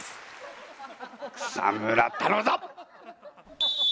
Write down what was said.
草村頼むぞ！